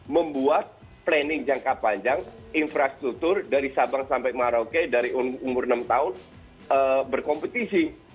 membuat planning jangka panjang infrastruktur dari sabang sampai merauke dari umur enam tahun berkompetisi